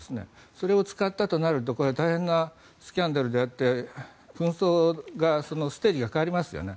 それを使ったとなるとこれは大変なスキャンダルであって紛争がステージが変わりますよね。